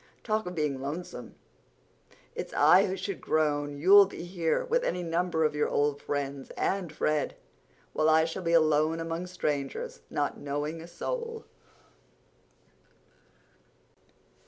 Talk of being lonesome! It's I who should groan. You'll be here with any number of your old friends—and Fred! While I shall be alone among strangers, not knowing a soul!"